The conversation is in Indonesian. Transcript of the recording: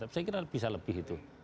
saya kira bisa lebih itu